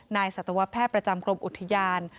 สัตวแพทย์ประจำกรมอุทยาน